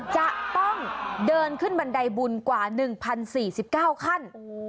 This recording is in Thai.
จะต้องเดินขึ้นบันไดบุญกว่า๑๐๔๙ขั้น